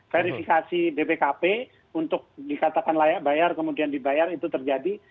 verifikasi bpkp untuk dikatakan layak bayar kemudian dibayar itu terjadi